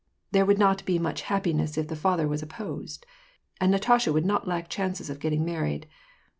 there would not be much happiness if the father was opposed ; and Natasha would not lack chances of getting married.